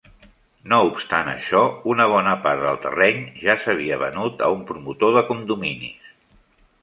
No obstant això, una bona part del terreny ja s'havia venut a un promotor de condominis.